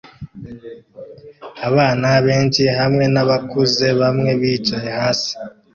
Abana benshi hamwe nabakuze bamwe bicaye hasi